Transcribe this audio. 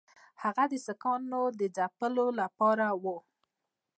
هغه د سیکهانو د ځپلو لپاره وو.